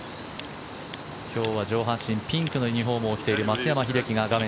今日は上半身ピンクのユニホームを着ている松山英樹が画面